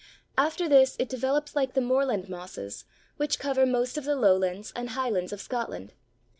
After this it develops like the moorland mosses which cover most of the Lowlands and Highlands of Scotland.